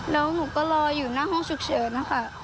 แล้วหนูก็รออยู่หน้าห้องฉุกเฉินนะคะ